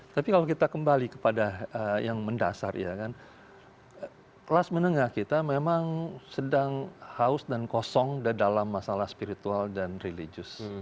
tapi kalau kita kembali kepada yang mendasar ya kan kelas menengah kita memang sedang haus dan kosong dalam masalah spiritual dan religius